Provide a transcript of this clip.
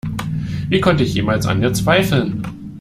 Wie konnte ich jemals an dir zweifeln?